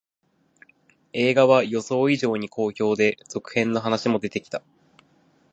映画は予想以上に好評で、続編の話も出てきた